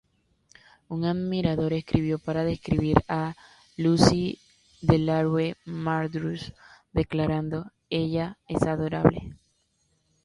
Un admirador escribió para describir a Lucie Delarue-Mardrus, declarando: "Ella es adorable.